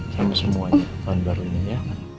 sama semuanya tahun baru ini ya